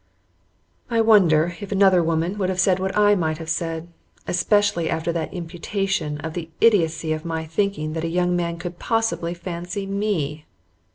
I wonder if another woman would have said what I might have said, especially after that imputation of the idiocy of my thinking that a young man could possibly fancy ME.